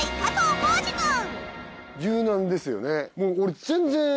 もう俺。